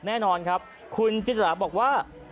แน่นอนครับคุณจิตราบอกว่า